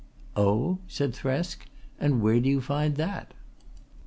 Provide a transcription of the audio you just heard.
"Oh?" said Thresk, "and where do you find that?"